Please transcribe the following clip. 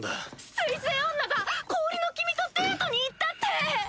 水星女が氷の君とデートに行ったって！